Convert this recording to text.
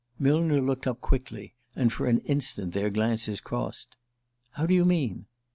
Millner looked up quickly, and for an instant their glances crossed. "How do you mean?"